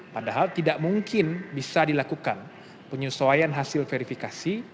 padahal tidak mungkin bisa dilakukan penyesuaian hasil verifikasi